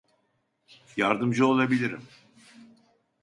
Yardımcı olabilirim.